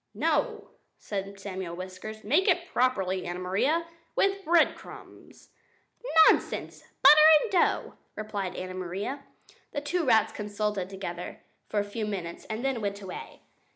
"No," said Samuel Whiskers, "make it properly, Anna Maria, with breadcrumbs." "Nonsense! Butter and dough," replied Anna Maria. The two rats consulted together for a few minutes and then went away.